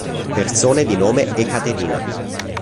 Persone di nome Ekaterina